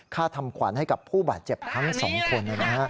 ค่าทำขวานให้กับผู้บาดเจ็บทั้ง๒คนนะครับ